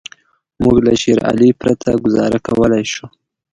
موږ له شېر علي پرته ګوزاره کولای شو.